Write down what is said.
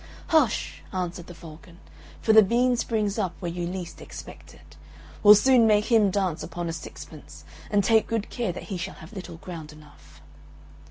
"Hush!" answered the Falcon, "for the bean springs up where you least expect it. We'll soon make him dance upon a sixpence, and take good care that he shall have little ground enough."